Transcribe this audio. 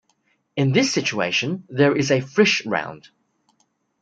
In this situation, there is a "Frisch" round.